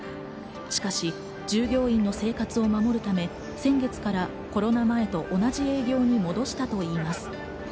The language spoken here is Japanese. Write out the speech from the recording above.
しかし従業員の生活を守るため、先月からコロナ前と同じ営業に戻したといいます。